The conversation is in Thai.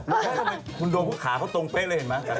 แค่ทำไมคุณโดมขาเขาตรงเป๊ะเลยเห็นไหม